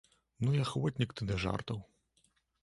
Ну і ахвотнік ты да жартаў!